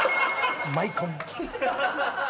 「マイコン」。